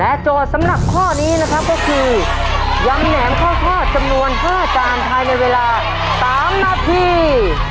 โจทย์สำหรับข้อนี้นะครับก็คือยำแหนมข้าวทอดจำนวน๕จานภายในเวลา๓นาที